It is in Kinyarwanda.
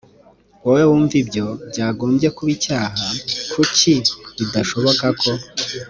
wowe wumva ibyo byagombye kuba icyaha kuki bidashoboka ko